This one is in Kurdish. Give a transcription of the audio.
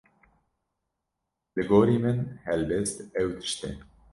Li gorî min helbest ew tişt e